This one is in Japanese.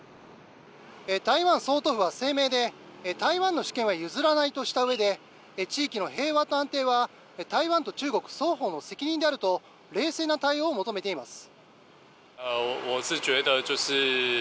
台湾総統府は声明で台湾の主権は譲らないとしたうえで地域の平和と安定は台湾と中国双方の責任であると冷静な対応を求めています。